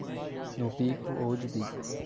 No bico ou de bico